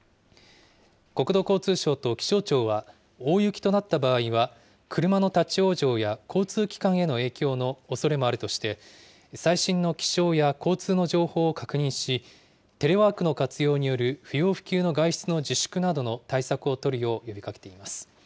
国土交通省と気象庁は、大雪となった場合は、車の立往生や交通機関への影響のおそれもあるとして、最新の気象や交通の情報を確認し、テレワークの活用による不要不急の外出の自粛などの対策を取るよう呼びかけています。